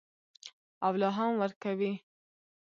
او لا هم ورکوي.